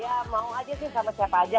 ya mau aja sih sama siapa aja